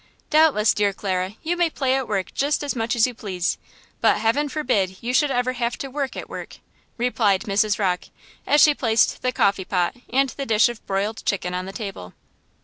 "Doubtless, dear Clara, you may play at work just as much as you please; but heaven forbid you should ever have to work at work!" replied Mrs. Rocke as she placed the coffee pot and the dish of broiled chicken on the table.